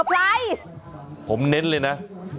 หมอกิตติวัตรว่ายังไงบ้างมาเป็นผู้ทานที่นี่แล้วอยากรู้สึกยังไงบ้าง